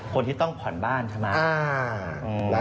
คนที่ต้องผ่อนบ้านใช่ไหม